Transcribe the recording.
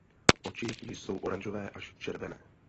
Oči jsou oranžové až červené.